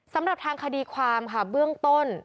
สำหรับทางคดีความค่ะเบื้องต้น